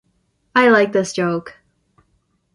I like this joke.